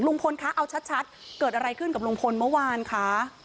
คะเอาชัดเกิดอะไรขึ้นกับลุงพลเมื่อวานคะ